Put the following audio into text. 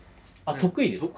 得意ですよ。